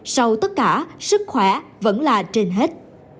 sau tất cả sức khỏe vẫn là trên hết